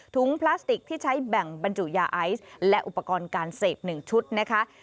พลาสติกที่ใช้แบ่งบรรจุยาไอซ์และอุปกรณ์การเสพ๑ชุดนะคะ